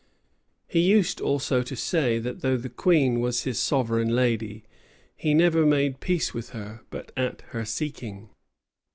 He used also to say, that though the queen was his sovereign lady, he never made peace with her but at her seeking.